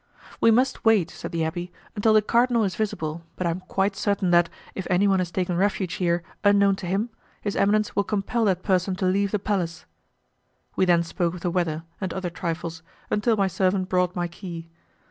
"We must wait," said the abbé, "until the cardinal is visible, but I am quite certain that, if anyone has taken refuge here unknown to him, his eminence will compel that person to leave the palace." We then spoke of the weather and other trifles until my servant brought my key.